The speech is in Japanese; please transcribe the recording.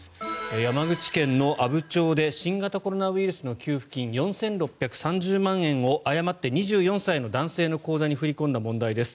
山口県の阿武町で新型コロナウイルスの給付金４６３０万円を誤って２４歳の男性の口座に振り込んだ問題です。